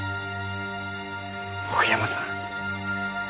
奥山さん。